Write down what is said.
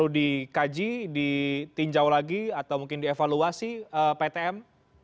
apakah ini memang pertanda bahwa perlu dikaji ditinjau lagi atau mungkin dievaluasi ptm